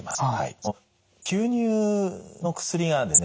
その吸入の薬がですね